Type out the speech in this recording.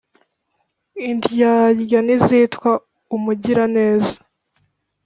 indyarya ntizitwa umugiraneza.